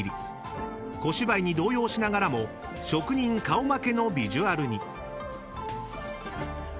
［小芝居に動揺しながらも職人顔負けのビジュアルに］